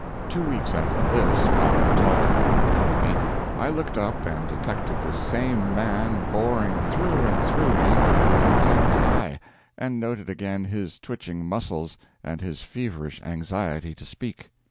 Two weeks after this, while talking in a company, I looked up and detected this same man boring through and through me with his intense eye, and noted again his twitching muscles and his feverish anxiety to speak.